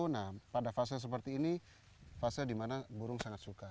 nah pada fase seperti ini fase dimana burung sangat suka